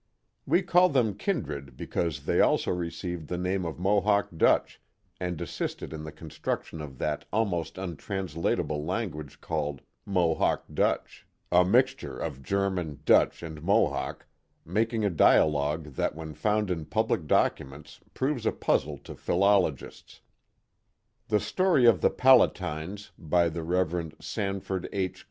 We call them kindred because they also received the name of Mohawk Dutch and assisted in the construction of that almost untranslatable language called '* Mohawk Dutch, a mixture of German, Dutch, and Mo hawk, making a dialect that when found in public documents proves a puzzle to philologists. The Story of the Palatines^ by the Rev. Sanford H.